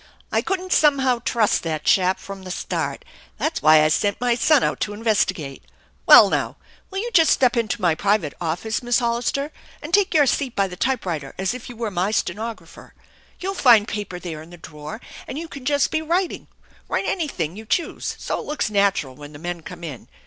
" I couldn't somehow trust that chap from the start. That's why I sent my son out to investigate. Well, now, will you just step into my private office, Miss Hollister, and take your seat by the typewriter as if you were my stenographer? You'll find paper there in the drawer, and you can just be writing write anything, you choose, so it looks natural when the men come in.